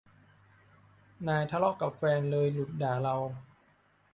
นายทะเลาะกับแฟน เลยหลุดด่าเรา